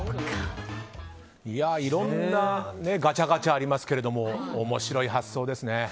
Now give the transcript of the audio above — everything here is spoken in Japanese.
いろんなガチャガチャありますが面白い発想ですね。